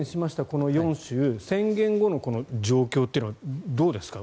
この４州宣言後の状況というのはどうですか。